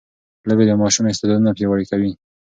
لوبې د ماشوم استعدادونه پياوړي کوي.